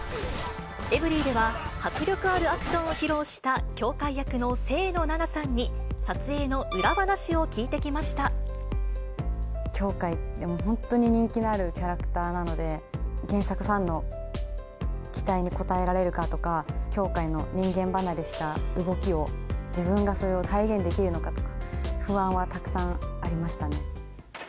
エブリィでは、迫力あるアクションを披露した羌かい役の清野菜名さんに、撮影の羌かいって本当に人気のあるキャラクターなので、原作ファンの期待に応えられるかとか、羌かいの人間離れした動きを、自分がそれを体現できるのかとか、不安はたくさんありましたね。